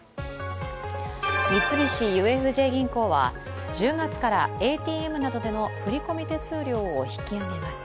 三菱ＵＦＪ銀行は、１０月からＡＴＭなどでの振り込み手数料を引き上げます。